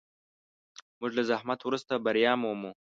موږ له زحمت وروسته بریا مومو.